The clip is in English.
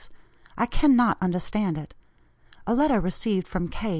I cannot understand it. A letter received from K.